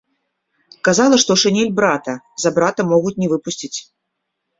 Казала, што шынель брата, за брата могуць не выпусціць.